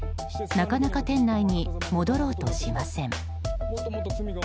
なかなか店内に戻ろうとしません。